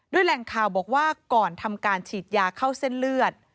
แหล่งข่าวบอกว่าก่อนทำการฉีดยาเข้าเส้นเลือด